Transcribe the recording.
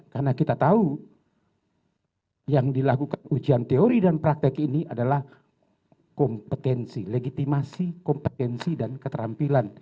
karena kita tahu yang dilakukan ujian teori dan praktik ini adalah kompetensi legitimasi kompetensi dan keterampilan